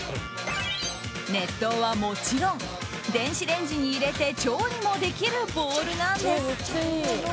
熱湯はもちろん電子レンジに入れて調理もできるボウルなんです。